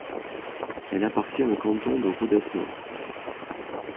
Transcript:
Elle appartient au canton de Rodez-Nord.